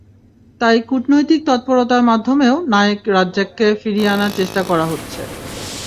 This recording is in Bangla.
তাই কূটনৈতিক তৎপরতার মাধ্যমেও নায়েক রাজ্জাককে ফিরিয়ে আনার চেষ্টা করা হচ্ছে।